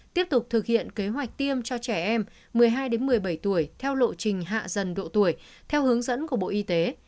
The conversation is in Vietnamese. tiếp tục thực hiện kế hoạch tiêm cho trẻ em một mươi hai một mươi bảy tuổi theo lộ trình hạ dần độ tuổi theo hướng dẫn của bộ y tế